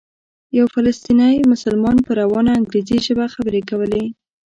یو فلسطینی مسلمان په روانه انګریزي ژبه خبرې کولې.